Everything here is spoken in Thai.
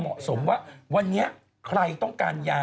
ดูองค์ประกอบของงาน